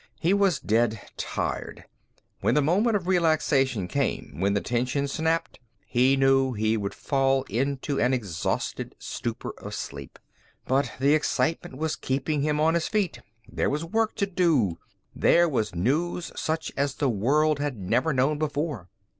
He was dead tired. When the moment of relaxation came, when the tension snapped, he knew he would fall into an exhausted stupor of sleep, but the excitement was keeping him on his feet. There was work to do. There was news such as the world had never known before.